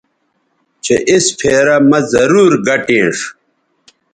چہء اِس پھیرہ مہ ضرور گٹینݜ